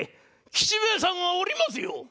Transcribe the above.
吉兵衛さんがおりますよ。